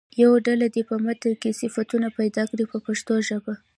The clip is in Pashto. یوه ډله دې په متن کې صفتونه پیدا کړي په پښتو ژبه.